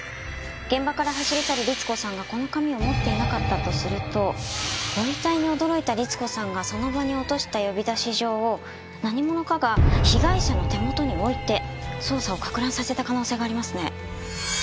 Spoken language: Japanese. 現場から走り去る律子さんがこの紙を持っていなかったとするとご遺体に驚いた律子さんがその場に落とした呼び出し状を何者かが被害者の手元に置いて捜査を攪乱させた可能性がありますね。